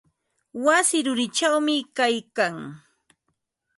Wasi rurichawmi kaylkan.